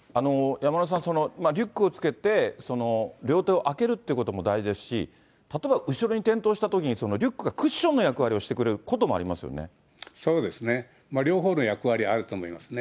山村さん、リュックをつけて両手を空けるということも大事ですし、例えば後ろに転倒したときにリュックがクッションの役割をしてくそうですね、両方の役割あると思いますね。